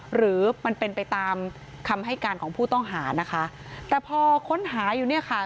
หรือมันเป็นไปตามคำให้การของผู้ต้องหานะคะแต่พอค้นหาอยู่เนี่ยค่ะ